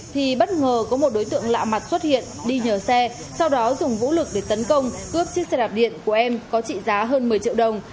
thì bất ngờ có một đối tượng lạ mặt xuất hiện đi nhờ xe sau đó dùng vũ lực để tấn công cướp chiếc xe đạp điện của em có trị giá hơn một mươi triệu đồng